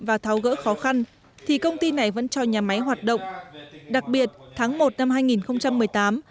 và tháo gỡ khó khăn thì công ty này vẫn cho nhà máy hoạt động đặc biệt tháng một năm hai nghìn một mươi tám